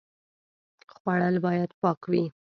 خوړل باید پاک وي